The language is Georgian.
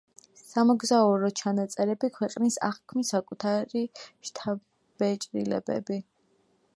სამოგზაურო ჩანაწერები, ქვეყნის აღქმის საკუთარი შთაბეჭდილებები.